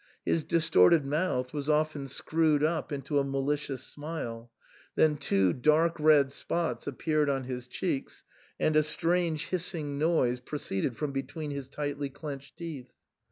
His distorted mouth was often screwed up into a malicious smile ; then two dark red spots appeared on his cheeks, and a strange hissing noise proceeded from between his tightly clenched teeth.